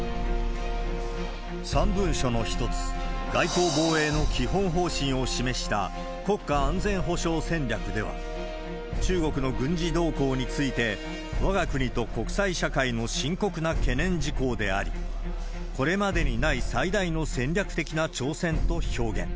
３文書の１つ、外交防衛の基本方針を示した国家安全保障戦略では、中国の軍事動向について、わが国と国際社会の深刻な懸念事項であり、これまでにない最大の戦略的な挑戦と表現。